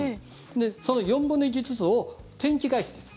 その４分の１ずつを天地返しです。